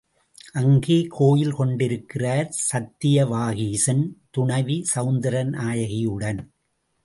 அங்கு கோயில் கொண்டிருக்கிறார் சத்தியவாகீசன், துணைவி சௌந்திர நாயகியுடன்.